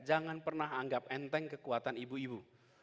jangan pernah anggap enteng kekuatan ibu ibu